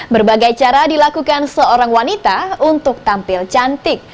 berbagai cara dilakukan seorang wanita untuk tampil cantik